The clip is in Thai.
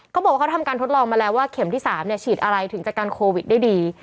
เขาบอกว่าเขาทำการทดลองมาแล้วว่าเข็มที่๓ฉีดอะไรถึงจัดการโควิดได้ดี